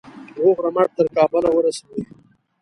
روغ رمټ تر کابله ورسوي.